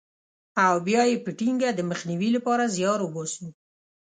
او بیا یې په ټینګه د مخنیوي لپاره زیار وباسو.